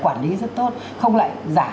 quản lý rất tốt không lại giả